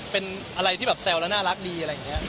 เป็นอะไรที่แบบแซวและน่ารักดีอะแบบนึง